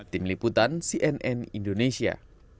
tim liputan cnn indonesia